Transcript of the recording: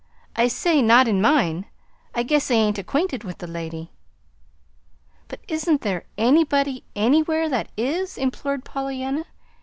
"I say not in mine. I guess I ain't acquainted with the lady." "But isn't there anybody anywhere that is?" implored Pollyanna.